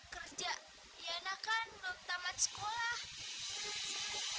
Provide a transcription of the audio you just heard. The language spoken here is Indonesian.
kerja yana kan belum tamat sekolah